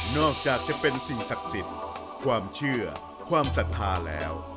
อกจากจะเป็นสิ่งศักดิ์สิทธิ์ความเชื่อความศรัทธาแล้ว